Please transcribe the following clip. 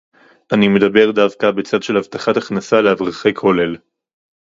אני מדבר דווקא בצד של הבטחת הכנסה לאברכי כולל